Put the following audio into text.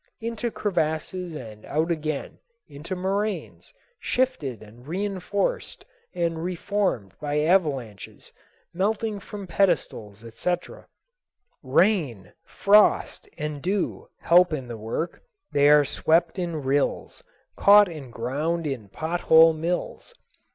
Into crevasses and out again, into moraines, shifted and reinforced and reformed by avalanches, melting from pedestals, etc. Rain, frost, and dew help in the work; they are swept in rills, caught and ground in pot hole mills.